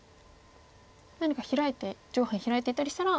何かヒラいて上辺ヒラいていったりしたら。